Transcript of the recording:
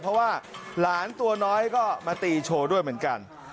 เพราะว่าหลานตัวน้อยก็มาตีโชว์ด้วยเหมือนกัน